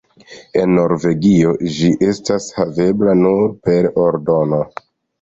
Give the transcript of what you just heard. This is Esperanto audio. En Norvegio ĝi estas havebla nur per ordono.